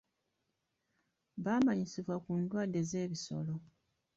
Baamanyisibwa ku ndwadde z'ebisolo.